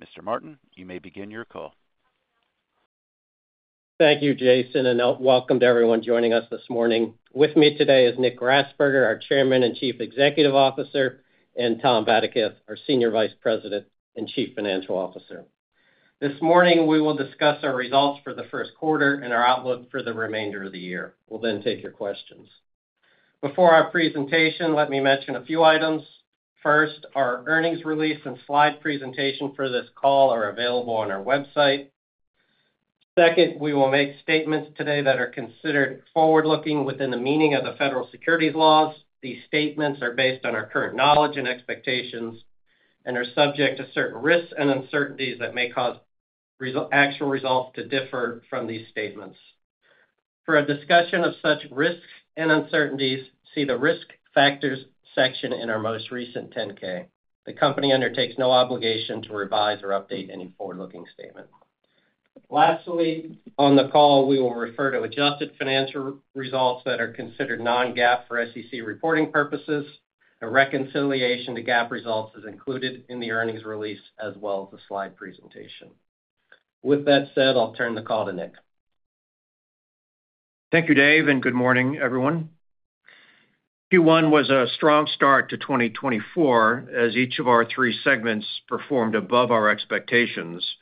Mr. Martin, you may begin your call. Thank you, Jason, and welcome to everyone joining us this morning. With me today is Nick Grasberger, our Chairman and Chief Executive Officer, and Tom Vadaketh, our Senior Vice President and Chief Financial Officer. This morning we will discuss our results for the first quarter and our outlook for the remainder of the year. We'll then take your questions. Before our presentation, let me mention a few items. First, our earnings release and slide presentation for this call are available on our website. Second, we will make statements today that are considered forward-looking within the meaning of the federal securities laws. These statements are based on our current knowledge and expectations and are subject to certain risks and uncertainties that may cause actual results to differ from these statements. For a discussion of such risks and uncertainties, see the Risk Factors section in our most recent 10-K. The company undertakes no obligation to revise or update any forward-looking statement. Lastly, on the call we will refer to adjusted financial results that are considered non-GAAP for SEC reporting purposes. A reconciliation to GAAP results is included in the earnings release as well as the slide presentation. With that said, I'll turn the call to Nick. Thank you, Dave, and good morning, everyone. Q1 was a strong start to 2024 as each of our three segments performed above our expectations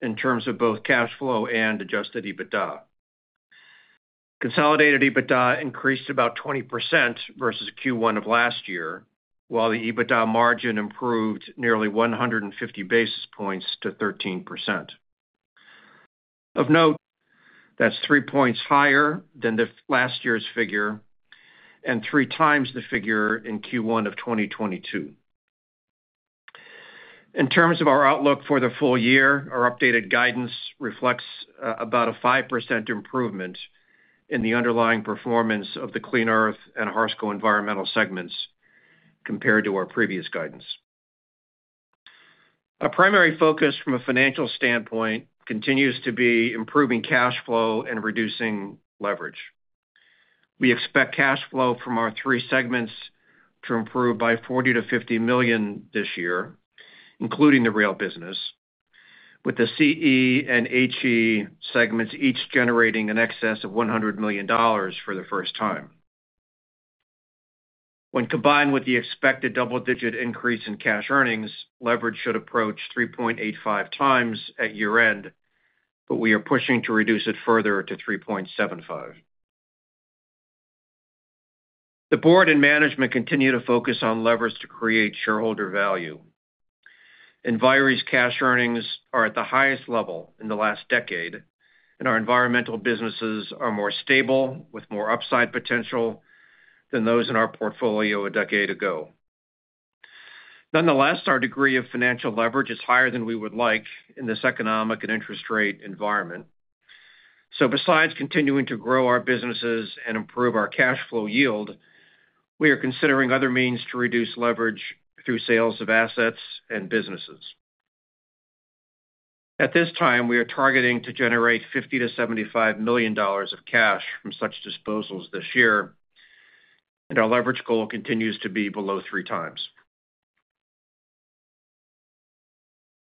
in terms of both cash flow and Adjusted EBITDA. Consolidated EBITDA increased about 20% versus Q1 of last year, while the EBITDA margin improved nearly 150 basis points to 13%. Of note, that's three points higher than last year's figure and 3x the figure in Q1 of 2022. In terms of our outlook for the full year, our updated guidance reflects about a 5% improvement in the underlying performance of the Clean Earth and Harsco Environmental segments compared to our previous guidance. Our primary focus from a financial standpoint continues to be improving cash flow and reducing leverage. We expect cash flow from our three segments to improve by $40 million-$50 million this year, including the rail business, with the CE and HE segments each generating an excess of $100 million for the first time. When combined with the expected double-digit increase in cash earnings, leverage should approach 3.85x at year-end, but we are pushing to reduce it further to 3.75. The board and management continue to focus on levers to create shareholder value. Enviri's cash earnings are at the highest level in the last decade, and our environmental businesses are more stable, with more upside potential than those in our portfolio a decade ago. Nonetheless, our degree of financial leverage is higher than we would like in this economic and interest rate environment. So besides continuing to grow our businesses and improve our cash flow yield, we are considering other means to reduce leverage through sales of assets and businesses. At this time, we are targeting to generate $50 million-$75 million of cash from such disposals this year, and our leverage goal continues to be below 3x.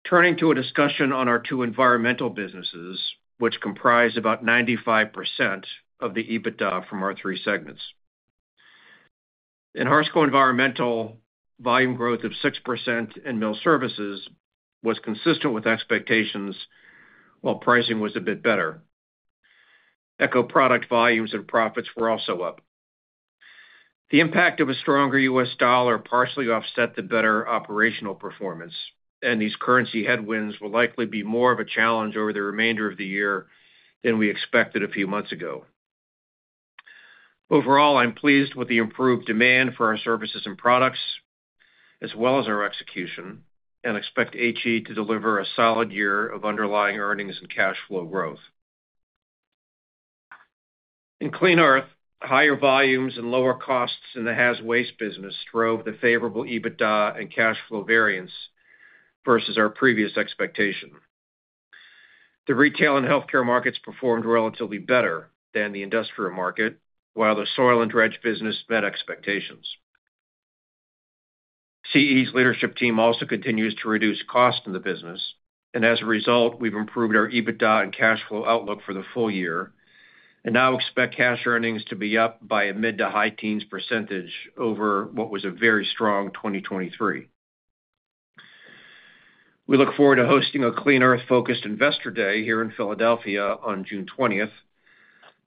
Turning to a discussion on our two environmental businesses, which comprise about 95% of the EBITDA from our three segments. In Harsco Environmental, volume growth of 6% in mill services was consistent with expectations, while pricing was a bit better. Eco product volumes and profits were also up. The impact of a stronger U.S. dollar partially offset the better operational performance, and these currency headwinds will likely be more of a challenge over the remainder of the year than we expected a few months ago. Overall, I'm pleased with the improved demand for our services and products as well as our execution and expect HE to deliver a solid year of underlying earnings and cash flow growth. In Clean Earth, higher volumes and lower costs in the haz waste business drove the favorable EBITDA and cash flow variance versus our previous expectation. The retail and healthcare markets performed relatively better than the industrial market, while the soil and dredge business met expectations. CE's leadership team also continues to reduce cost in the business, and as a result, we've improved our EBITDA and cash flow outlook for the full year and now expect cash earnings to be up by a mid- to high-teens % over what was a very strong 2023. We look forward to hosting a Clean Earth-focused Investor Day here in Philadelphia on June 20th.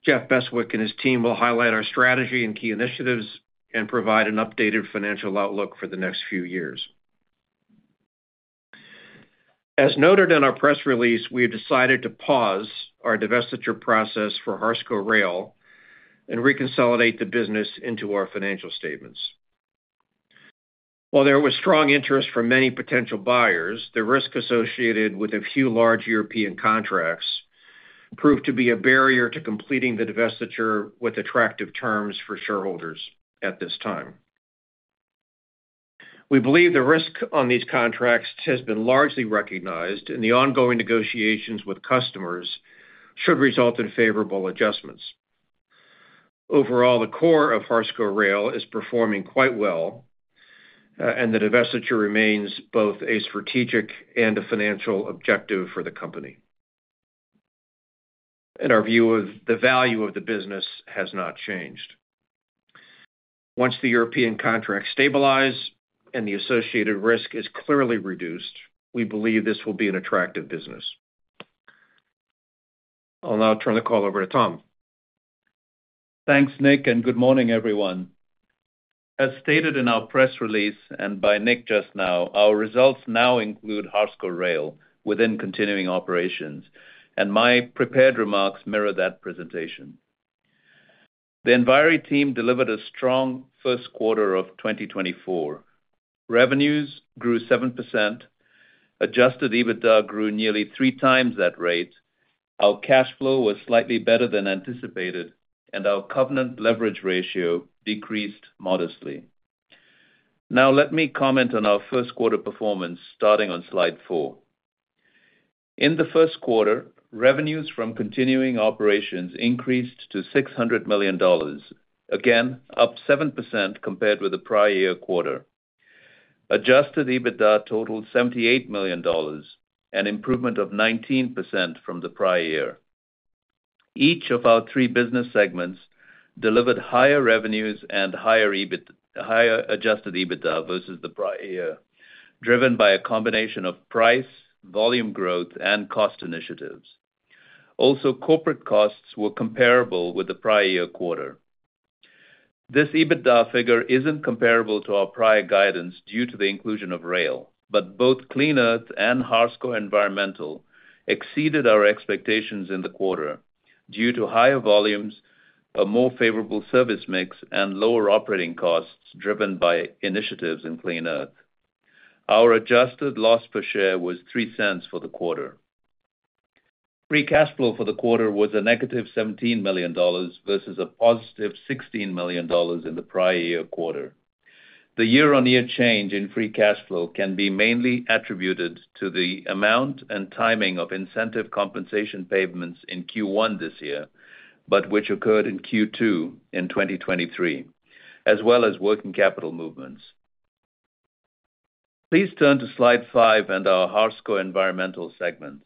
Jeff Beswick and his team will highlight our strategy and key initiatives and provide an updated financial outlook for the next few years. As noted in our press release, we have decided to pause our divestiture process for Harsco Rail and reconsolidate the business into our financial statements. While there was strong interest from many potential buyers, the risk associated with a few large European contracts proved to be a barrier to completing the divestiture with attractive terms for shareholders at this time. We believe the risk on these contracts has been largely recognized, and the ongoing negotiations with customers should result in favorable adjustments. Overall, the core of Harsco Rail is performing quite well, and the divestiture remains both a strategic and a financial objective for the company. Our view of the value of the business has not changed. Once the European contracts stabilize and the associated risk is clearly reduced, we believe this will be an attractive business. I'll now turn the call over to Tom. Thanks, Nick, and good morning, everyone. As stated in our press release and by Nick just now, our results now include Harsco Rail within continuing operations, and my prepared remarks mirror that presentation. The Enviri team delivered a strong first quarter of 2024. Revenues grew 7%, adjusted EBITDA grew nearly 3x that rate, our cash flow was slightly better than anticipated, and our covenant leverage ratio decreased modestly. Now let me comment on our first quarter performance starting on slide four. In the first quarter, revenues from continuing operations increased to $600 million, again up 7% compared with the prior year quarter. Adjusted EBITDA totaled $78 million, an improvement of 19% from the prior year. Each of our three business segments delivered higher revenues and higher adjusted EBITDA versus the prior year, driven by a combination of price, volume growth, and cost initiatives. Also, corporate costs were comparable with the prior year quarter. This EBITDA figure isn't comparable to our prior guidance due to the inclusion of rail, but both Clean Earth and Harsco Environmental exceeded our expectations in the quarter due to higher volumes, a more favorable service mix, and lower operating costs driven by initiatives in Clean Earth. Our adjusted loss per share was $0.03 for the quarter. Free cash flow for the quarter was a -$17 million versus a +$16 million in the prior year quarter. The year-on-year change in free cash flow can be mainly attributed to the amount and timing of incentive compensation payments in Q1 this year but which occurred in Q2 in 2023, as well as working capital movements. Please turn to slide five and our Harsco Environmental segment.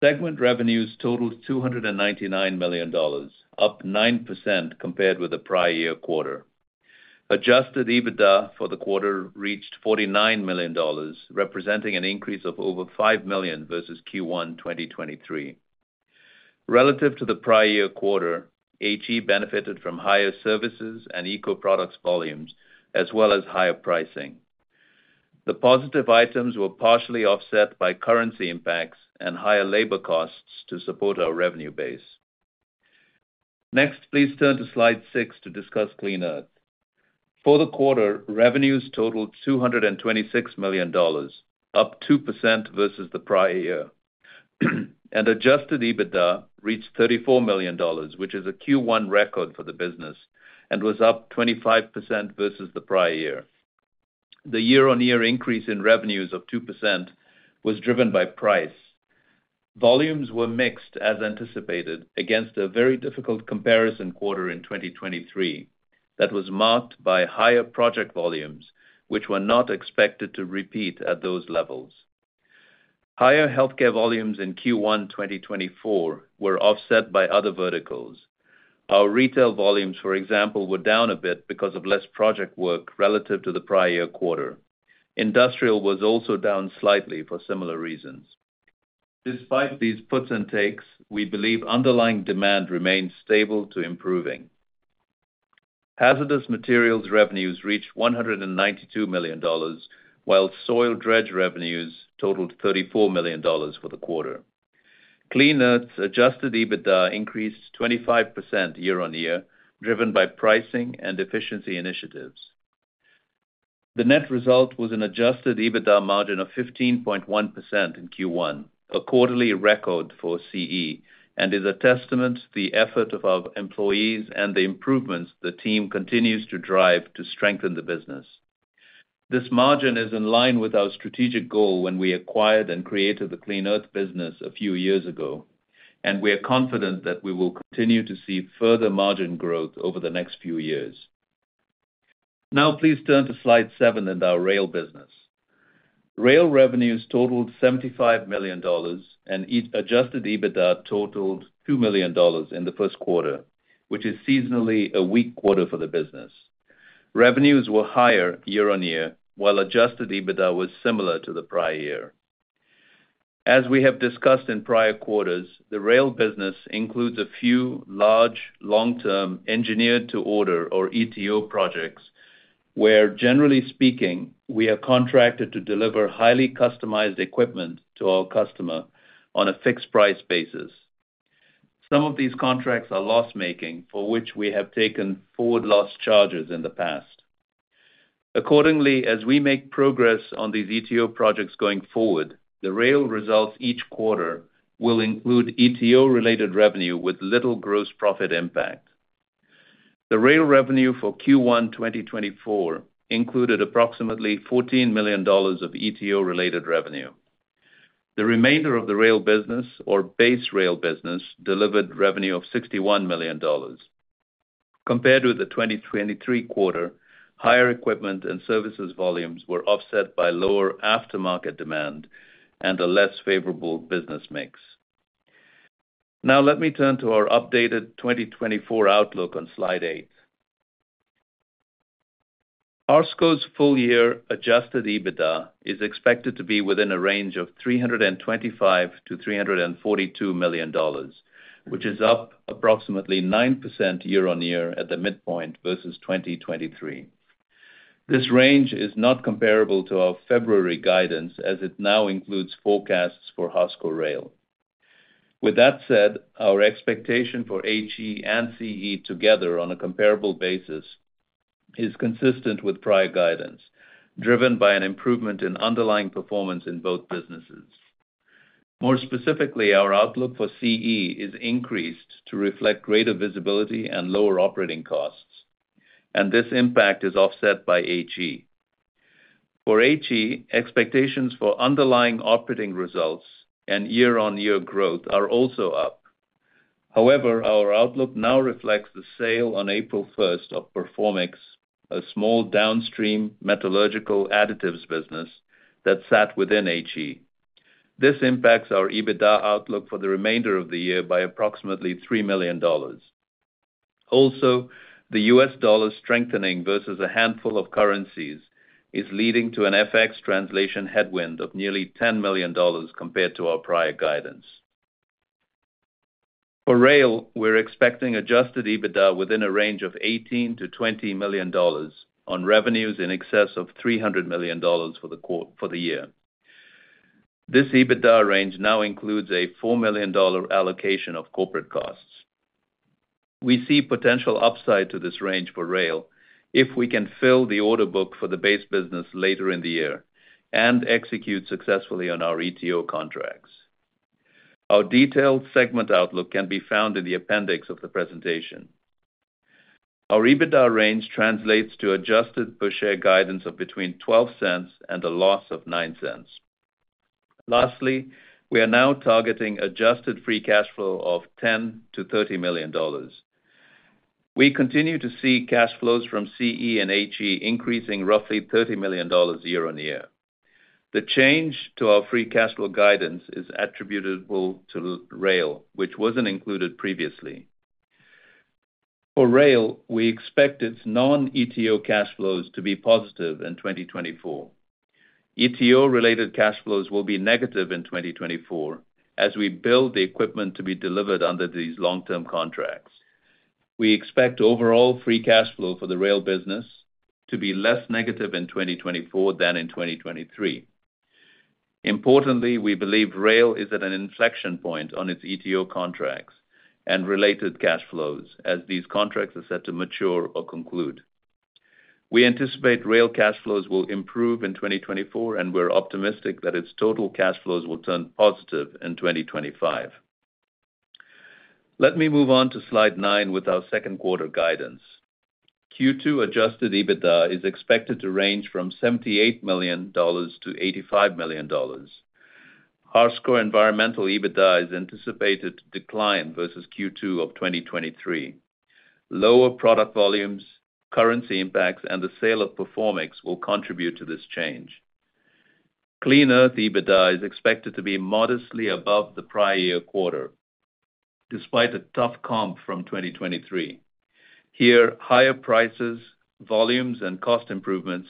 Segment revenues totaled $299 million, up 9% compared with the prior year quarter. Adjusted EBITDA for the quarter reached $49 million, representing an increase of over $5 million versus Q1 2023. Relative to the prior year quarter, HE benefited from higher services and eco products volumes as well as higher pricing. The positive items were partially offset by currency impacts and higher labor costs to support our revenue base. Next, please turn to slide six to discuss Clean Earth. For the quarter, revenues totaled $226 million, up 2% versus the prior year, and adjusted EBITDA reached $34 million, which is a Q1 record for the business and was up 25% versus the prior year. The year-on-year increase in revenues of 2% was driven by price. Volumes were mixed, as anticipated, against a very difficult comparison quarter in 2023 that was marked by higher project volumes, which were not expected to repeat at those levels. Higher healthcare volumes in Q1 2024 were offset by other verticals. Our retail volumes, for example, were down a bit because of less project work relative to the prior year quarter. Industrial was also down slightly for similar reasons. Despite these puts and takes, we believe underlying demand remains stable to improving. Hazardous materials revenues reached $192 million, while soil dredge revenues totaled $34 million for the quarter. Clean Earth's adjusted EBITDA increased 25% year-on-year, driven by pricing and efficiency initiatives. The net result was an adjusted EBITDA margin of 15.1% in Q1, a quarterly record for CE, and is a testament to the effort of our employees and the improvements the team continues to drive to strengthen the business. This margin is in line with our strategic goal when we acquired and created the Clean Earth business a few years ago, and we are confident that we will continue to see further margin growth over the next few years. Now please turn to slide seven and our rail business. Rail revenues totaled $75 million, and Adjusted EBITDA totaled $2 million in the first quarter, which is seasonally a weak quarter for the business. Revenues were higher year-on-year, while Adjusted EBITDA was similar to the prior year. As we have discussed in prior quarters, the rail business includes a few large, long-term engineered-to-order or ETO projects where, generally speaking, we are contracted to deliver highly customized equipment to our customer on a fixed-price basis. Some of these contracts are loss-making, for which we have taken forward loss charges in the past. Accordingly, as we make progress on these ETO projects going forward, the rail results each quarter will include ETO-related revenue with little gross profit impact. The rail revenue for Q1 2024 included approximately $14 million of ETO-related revenue. The remainder of the rail business, or base rail business, delivered revenue of $61 million. Compared with the 2023 quarter, higher equipment and services volumes were offset by lower aftermarket demand and a less favorable business mix. Now let me turn to our updated 2024 outlook on slide eight. Harsco's full-year Adjusted EBITDA is expected to be within a range of $325million-$342 million, which is up approximately 9% year-on-year at the midpoint versus 2023. This range is not comparable to our February guidance as it now includes forecasts for Harsco Rail. With that said, our expectation for HE and CE together on a comparable basis is consistent with prior guidance, driven by an improvement in underlying performance in both businesses. More specifically, our outlook for CE is increased to reflect greater visibility and lower operating costs, and this impact is offset by HE. For HE, expectations for underlying operating results and year-on-year growth are also up. However, our outlook now reflects the sale on April 1st of Performix, a small downstream metallurgical additives business that sat within HE. This impacts our EBITDA outlook for the remainder of the year by approximately $3 million. Also, the U.S. dollar strengthening versus a handful of currencies is leading to an FX translation headwind of nearly $10 million compared to our prior guidance. For rail, we're expecting adjusted EBITDA within a range of $18 million-$20 million on revenues in excess of $300 million for the year. This EBITDA range now includes a $4 million allocation of corporate costs. We see potential upside to this range for rail if we can fill the order book for the base business later in the year and execute successfully on our ETO contracts. Our detailed segment outlook can be found in the appendix of the presentation. Our EBITDA range translates to adjusted per share guidance of between $0.12 and a loss of $0.09. Lastly, we are now targeting adjusted free cash flow of $10 million-$30 million. We continue to see cash flows from CE and HE increasing roughly $30 million year-on-year. The change to our free cash flow guidance is attributable to rail, which wasn't included previously. For rail, we expect its non-ETO cash flows to be positive in 2024. ETO-related cash flows will be negative in 2024 as we build the equipment to be delivered under these long-term contracts. We expect overall free cash flow for the rail business to be less negative in 2024 than in 2023. Importantly, we believe rail is at an inflection point on its ETO contracts and related cash flows as these contracts are set to mature or conclude. We anticipate rail cash flows will improve in 2024, and we're optimistic that its total cash flows will turn positive in 2025. Let me move on to slide nine with our second quarter guidance. Q2 adjusted EBITDA is expected to range from $78 million-$85 million. Harsco Environmental EBITDA is anticipated to decline versus Q2 of 2023. Lower product volumes, currency impacts, and the sale of Performix will contribute to this change. Clean Earth EBITDA is expected to be modestly above the prior year quarter despite a tough comp from 2023. Here, higher prices, volumes, and cost improvements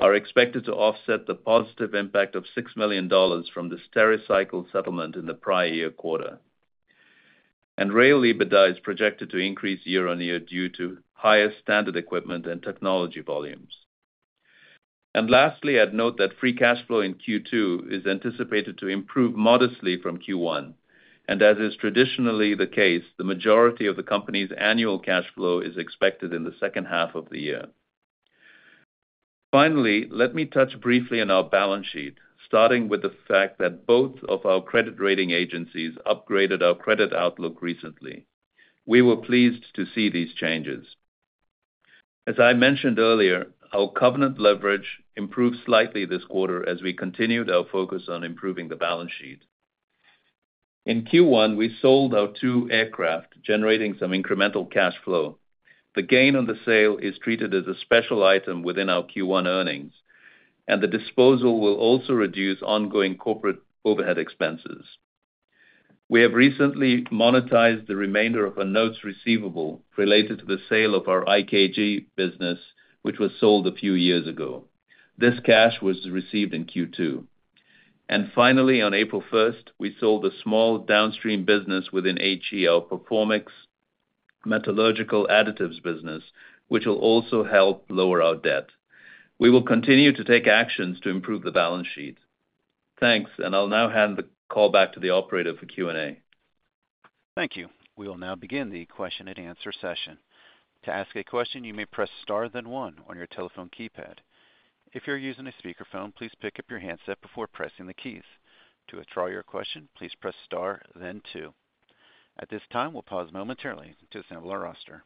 are expected to offset the positive impact of $6 million from the Stericycle settlement in the prior year quarter. And rail EBITDA is projected to increase year-on-year due to higher standard equipment and technology volumes. And lastly, I'd note that free cash flow in Q2 is anticipated to improve modestly from Q1, and as is traditionally the case, the majority of the company's annual cash flow is expected in the second half of the year. Finally, let me touch briefly on our balance sheet, starting with the fact that both of our credit rating agencies upgraded our credit outlook recently. We were pleased to see these changes. As I mentioned earlier, our covenant leverage improved slightly this quarter as we continued our focus on improving the balance sheet. In Q1, we sold our two aircraft, generating some incremental cash flow. The gain on the sale is treated as a special item within our Q1 earnings, and the disposal will also reduce ongoing corporate overhead expenses. We have recently monetized the remainder of our notes receivable related to the sale of our IKG business, which was sold a few years ago. This cash was received in Q2. And finally, on April 1st, we sold a small downstream business within HE, our Performix metallurgical additives business, which will also help lower our debt. We will continue to take actions to improve the balance sheet. Thanks, and I'll now hand the call back to the operator for Q&A. Thank you. We will now begin the question-and-answer session. To ask a question, you may press star then one on your telephone keypad. If you're using a speakerphone, please pick up your handset before pressing the keys. To withdraw your question, please press star then two. At this time, we'll pause momentarily to assemble our roster.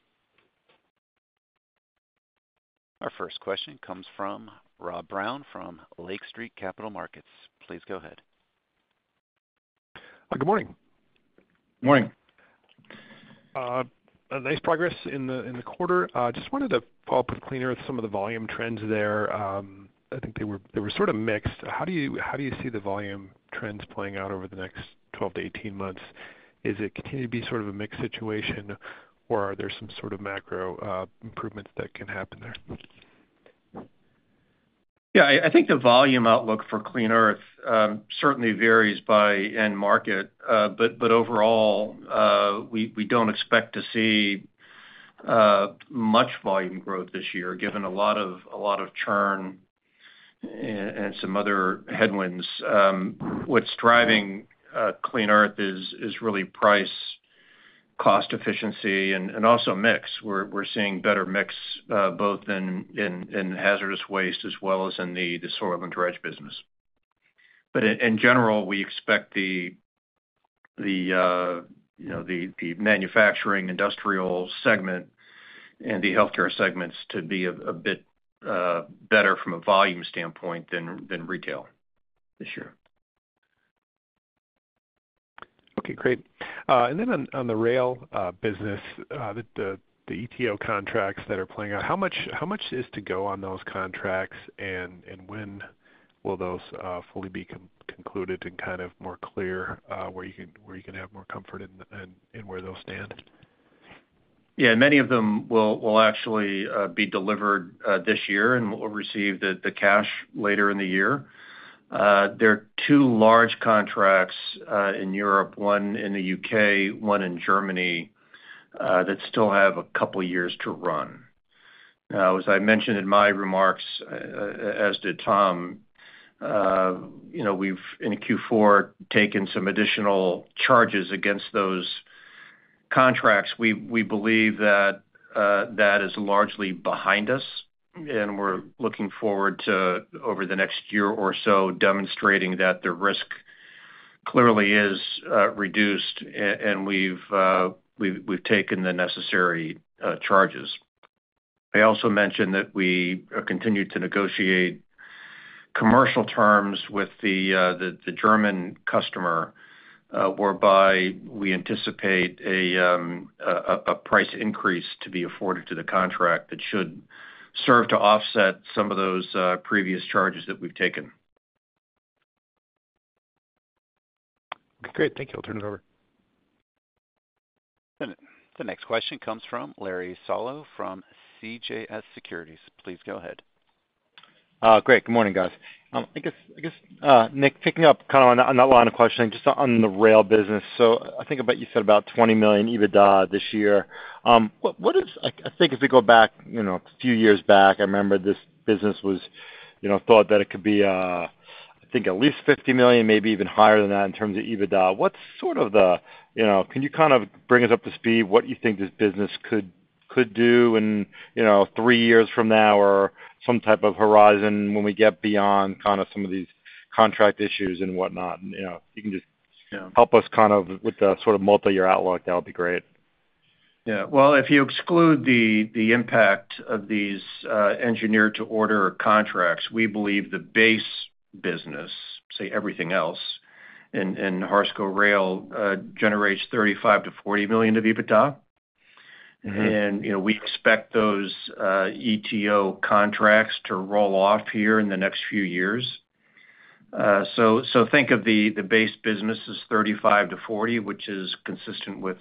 Our first question comes from Rob Brown from Lake Street Capital Markets. Please go ahead. Good morning. Morning. Nice progress in the quarter. I just wanted to follow up with Clean Earth, some of the volume trends there. I think they were sort of mixed. How do you see the volume trends playing out over the next 12-18 months? Is it continuing to be sort of a mixed situation, or are there some sort of macro improvements that can happen there? Yeah, I think the volume outlook for Clean Earth certainly varies by end market, but overall, we don't expect to see much volume growth this year given a lot of churn and some other headwinds. What's driving Clean Earth is really price, cost efficiency, and also mix. We're seeing better mix both in hazardous waste as well as in the soil and dredge business. But in general, we expect the manufacturing, industrial segment, and the healthcare segments to be a bit better from a volume standpoint than retail this year. Okay, great. And then on the rail business, the ETO contracts that are playing out, how much is to go on those contracts, and when will those fully be concluded and kind of more clear where you can have more comfort in where those stand? Yeah, many of them will actually be delivered this year and will receive the cash later in the year. There are two large contracts in Europe, one in the U.K., one in Germany, that still have a couple of years to run. Now, as I mentioned in my remarks, as did Tom, we've, in Q4, taken some additional charges against those contracts. We believe that that is largely behind us, and we're looking forward to, over the next year or so, demonstrating that the risk clearly is reduced, and we've taken the necessary charges. I also mentioned that we continue to negotiate commercial terms with the German customer, whereby we anticipate a price increase to be afforded to the contract that should serve to offset some of those previous charges that we've taken. Okay, great. Thank you. I'll turn it over. The next question comes from Larry Solow from CJS Securities. Please go ahead. Great. Good morning, guys. I guess, Nick, picking up kind of on that line of questioning, just on the rail business. So I think you said about $20 million EBITDA this year. I think if we go back a few years back, I remember this business was thought that it could be, I think, at least $50 million, maybe even higher than that in terms of EBITDA. What's sort of the can you kind of bring us up to speed what you think this business could do in three years from now or some type of horizon when we get beyond kind of some of these contract issues and whatnot? If you can just help us kind of with the sort of multi-year outlook, that would be great. Yeah. Well, if you exclude the impact of these engineered-to-order contracts, we believe the base business, say everything else in Harsco Rail, generates $35 million-$40 million of EBITDA. We expect those ETO contracts to roll off here in the next few years. Think of the base business as 35-40, which is consistent with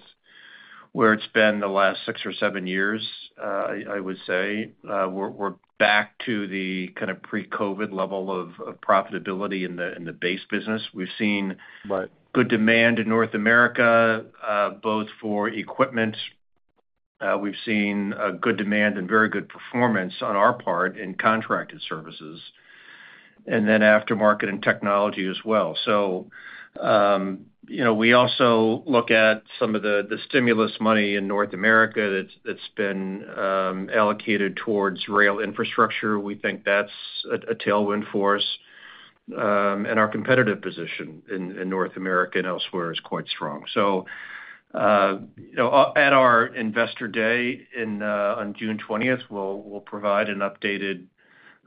where it's been the last six or seven years, I would say. We're back to the kind of pre-COVID level of profitability in the base business. We've seen good demand in North America both for equipment. We've seen good demand and very good performance on our part in contracted services and then aftermarket and technology as well. We also look at some of the stimulus money in North America that's been allocated towards rail infrastructure. We think that's a tailwind for us. Our competitive position in North America and elsewhere is quite strong. At our investor day on June 20th, we'll provide an updated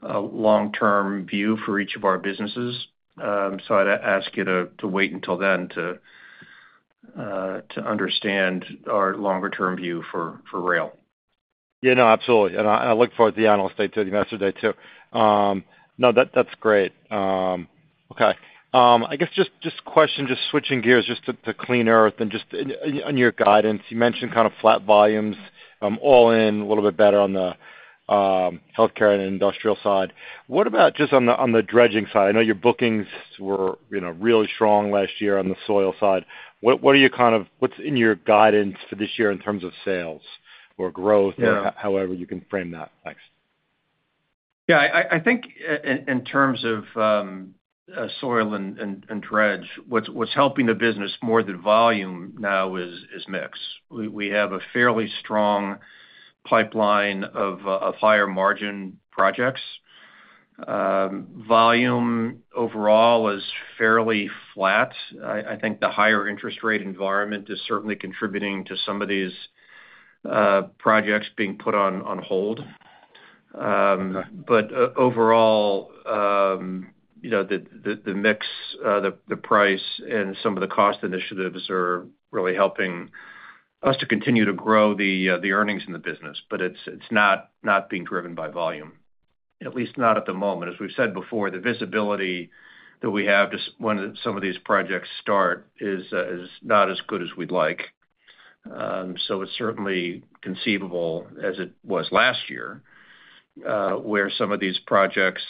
long-term view for each of our businesses. I'd ask you to wait until then to understand our longer-term view for rail. Yeah, no, absolutely. I look forward to the analyst day too, the investor day too. No, that's great. Okay. I guess just question, just switching gears, just to Clean Earth and just on your guidance, you mentioned kind of flat volumes, all in, a little bit better on the healthcare and industrial side. What about just on the dredging side? I know your bookings were really strong last year on the soil side. What are you kind of what's in your guidance for this year in terms of sales or growth or however you can frame that? Thanks. Yeah, I think in terms of soil and dredge, what's helping the business more than volume now is mix. We have a fairly strong pipeline of higher margin projects. Volume overall is fairly flat. I think the higher interest rate environment is certainly contributing to some of these projects being put on hold. But overall, the mix, the price, and some of the cost initiatives are really helping us to continue to grow the earnings in the business. But it's not being driven by volume, at least not at the moment. As we've said before, the visibility that we have when some of these projects start is not as good as we'd like. So it's certainly conceivable as it was last year where some of these projects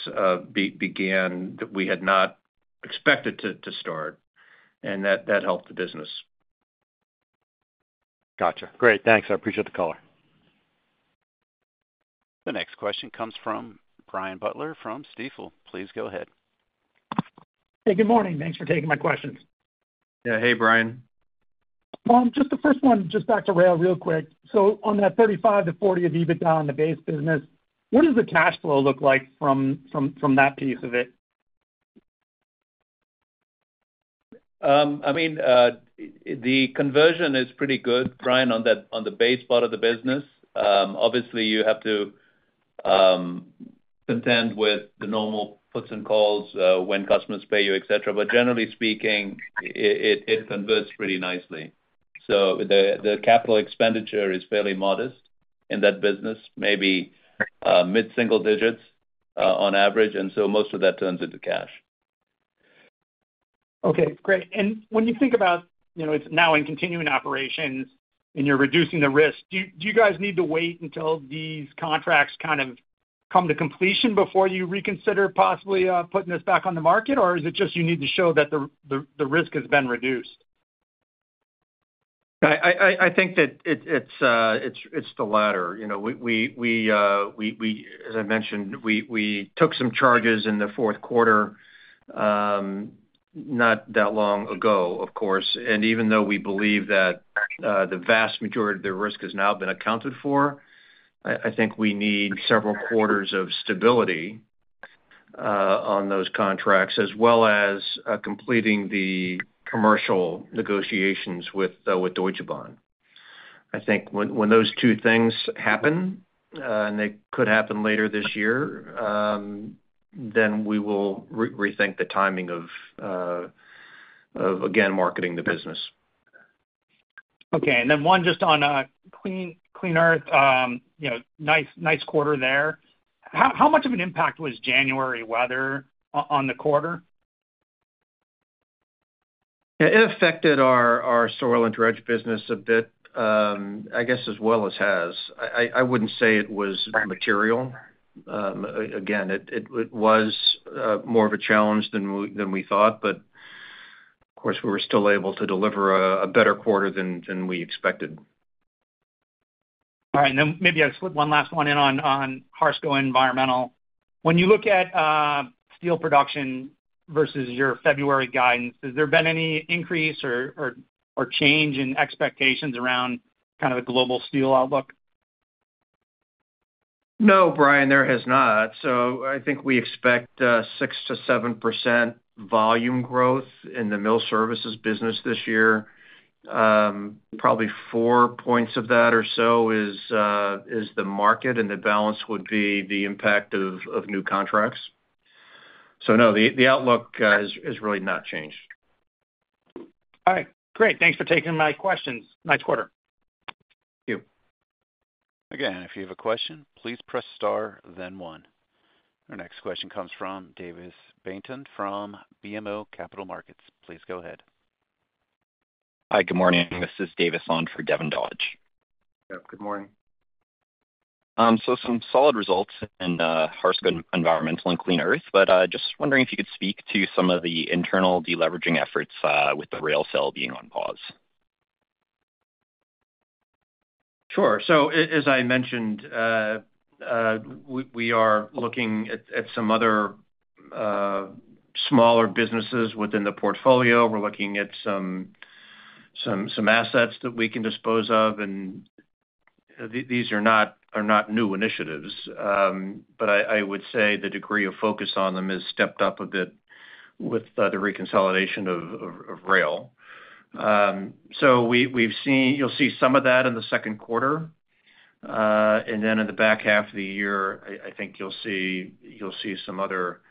began that we had not expected to start, and that helped the business. Gotcha. Great. Thanks. I appreciate the caller. The next question comes from Brian Butler from Stifel. Please go ahead. Hey, good morning. Thanks for taking my questions. Yeah. Hey, Brian. Just the first one, just back to rail real quick. So on that 35-40 of EBITDA on the base business, what does the cash flow look like from that piece of it? I mean, the conversion is pretty good, Brian, on the base part of the business. Obviously, you have to contend with the normal puts and calls when customers pay you, etc. But generally speaking, it converts pretty nicely. So the capital expenditure is fairly modest in that business, maybe mid-single digits on average. And so most of that turns into cash. Okay, great. And when you think about it's now in continuing operations and you're reducing the risk, do you guys need to wait until these contracts kind of come to completion before you reconsider possibly putting this back on the market, or is it just you need to show that the risk has been reduced? I think that it's the latter. As I mentioned, we took some charges in the fourth quarter, not that long ago, of course. And even though we believe that the vast majority of the risk has now been accounted for, I think we need several quarters of stability on those contracts as well as completing the commercial negotiations with Deutsche Bahn. I think when those two things happen, and they could happen later this year, then we will rethink the timing of, again, marketing the business. Okay. And then one just on Clean Earth, nice quarter there. How much of an impact was January weather on the quarter? It affected our soil and dredge business a bit, I guess, as well as has. I wouldn't say it was material. Again, it was more of a challenge than we thought, but of course, we were still able to deliver a better quarter than we expected. All right. And then maybe I'll slip one last one in on Harsco Environmental. When you look at steel production versus your February guidance, has there been any increase or change in expectations around kind of a global steel outlook? No, Brian, there has not. So I think we expect 6%-7% volume growth in the mill services business this year. Probably four points of that or so is the market, and the balance would be the impact of new contracts. So no, the outlook has really not changed. All right. Great. Thanks for taking my questions. Nice quarter. Thank you. Again, if you have a question, please press star, then one. Our next question comes from Davis Baynton from BMO Capital Markets. Please go ahead. Hi, good morning. This is Davis on for Devin Dodge. Yeah, good morning. So some solid results in Harsco Environmental and Clean Earth, but just wondering if you could speak to some of the internal deleveraging efforts with the rail sale being on pause. Sure. So as I mentioned, we are looking at some other smaller businesses within the portfolio. We're looking at some assets that we can dispose of, and these are not new initiatives. But I would say the degree of focus on them has stepped up a bit with the reconsolidation of rail. So you'll see some of that in the second quarter. Then in the back half of the year, I think you'll see some other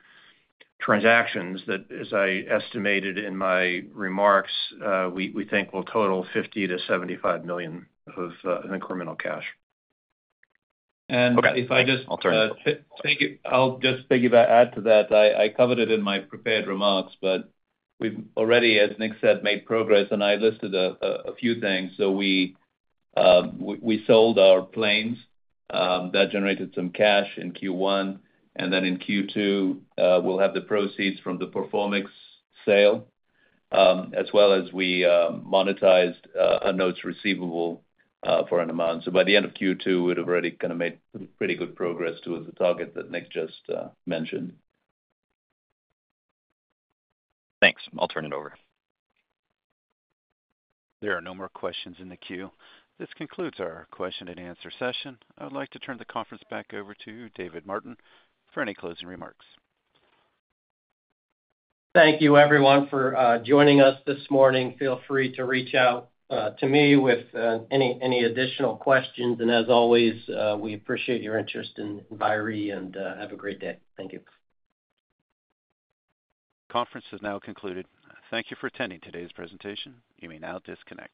transactions that, as I estimated in my remarks, we think will total $50 million-$75 million of incremental cash. And if I just thank you. I'll just add to that. I covered it in my prepared remarks, but we've already, as Nick said, made progress. And I listed a few things. So we sold our planes. That generated some cash in Q1. And then in Q2, we'll have the proceeds from the Performix sale, as well as we monetized a note receivable for an amount. So by the end of Q2, we'd have already kind of made pretty good progress towards the target that Nick just mentioned. Thanks. I'll turn it over. There are no more questions in the queue. This concludes our question-and-answer session. I would like to turn the conference back over to David Martin for any closing remarks. Thank you, everyone, for joining us this morning. Feel free to reach out to me with any additional questions. As always, we appreciate your interest in Enviri and have a great day. Thank you. Conference has now concluded. Thank you for attending today's presentation. You may now disconnect.